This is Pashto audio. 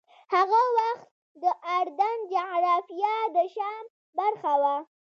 هغه وخت د اردن جغرافیه د شام برخه وه.